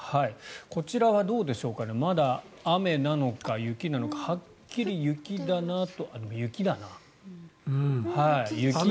こちらはどうでしょうかねまだ雨なのか、雪なのかはっきり雪だなと。